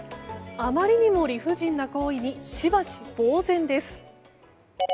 あまりにも理不尽な行為にしばし、ぼうぜんです。